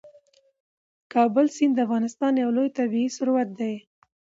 د کابل سیند د افغانستان یو لوی طبعي ثروت دی.